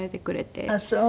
あっそう。